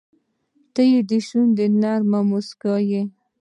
• ته د شونډو نرمه موسکا یې.